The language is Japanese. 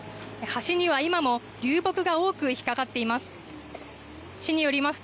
橋には今も流木が多く引っかかっています。